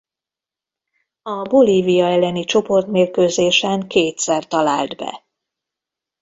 A Bolívia elleni csoportmérkőzésen kétszer talált be.